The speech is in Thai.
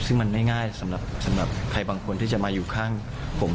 ซึ่งมันไม่ง่ายสำหรับใครบางคนที่จะมาอยู่ข้างผม